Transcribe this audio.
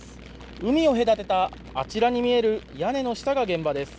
海を隔てたあちらに見える屋根の下が現場です。